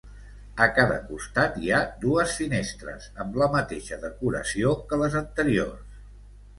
A cada costat hi ha dues finestres, amb la mateixa decoració que les anteriors.